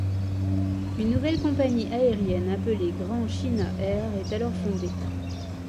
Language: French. Une nouvelle compagnie aérienne appelée Grand China Air est alors fondée.